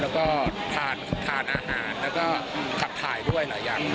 แล้วก็ทานอาหารแล้วก็ขับถ่ายด้วยหลายอย่าง